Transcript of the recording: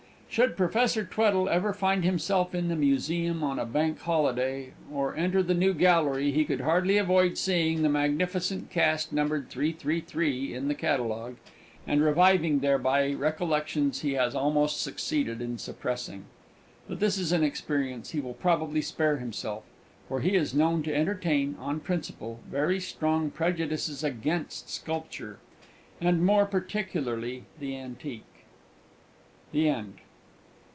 Should Professor Tweddle ever find himself in the Museum on a Bank Holiday, and enter the new gallery, he could hardly avoid seeing the magnificent cast numbered 333 in the catalogue, and reviving thereby recollections he has almost succeeded in suppressing. But this is an experience he will probably spare himself; for he is known to entertain, on principle, very strong prejudices against sculpture, and more particularly the Antique. THE END.